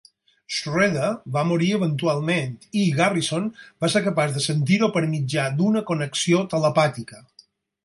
Schroeder va morir eventualment i Garrison va ser capaç de sentir-ho per mitjà d'una connexió telepàtica.